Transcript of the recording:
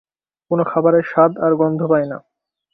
কোনো খাবারের স্বাদ আর গন্ধ পাই না।